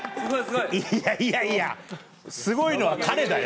いやいやいやすごいのは彼だよ！